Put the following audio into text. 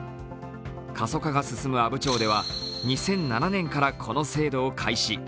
過疎化が進む阿武町では２００７年からこの制度を開始。